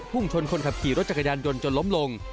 ชนคนขับขี่รถจักรยานยนต์จนล้มลง